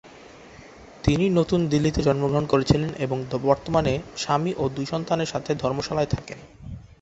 তিনি নতুন দিল্লিতে জন্মগ্রহণ করেছিলেন এবং বর্তমানে স্বামী ও দুই সন্তানের সাথে ধর্মশালায় থাকেন।